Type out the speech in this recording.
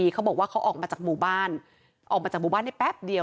เขาบอกว่าเขาออกมาจากหมู่บ้านออกมาจากหมู่บ้านได้แป๊บเดียว